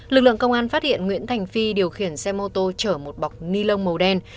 lực lượng công an phát hiện nguyễn thành phi điều khiển xe mô tô chở một bọc ni lông màu đen